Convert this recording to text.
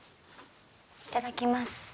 いただきます。